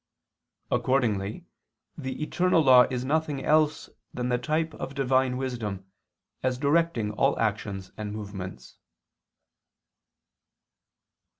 Accordingly the eternal law is nothing else than the type of Divine Wisdom, as directing all actions and movements.